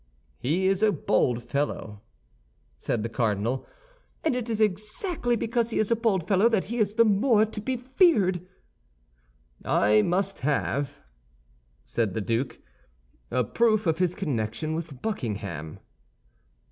"He is a bold fellow," said the cardinal. "And it is exactly because he is a bold fellow that he is the more to be feared." "I must have," said the duke, "a proof of his connection with Buckingham."